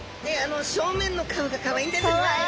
正面の顔がかわいいです。